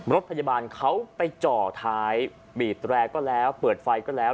รถพยาบาลเขาไปจ่อท้ายบีบแตรก็แล้วเปิดไฟก็แล้ว